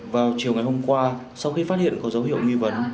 vào chiều ngày hôm qua sau khi phát hiện có dấu hiệu nghi vấn